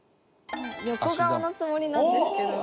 横顔のつもりなんですけど。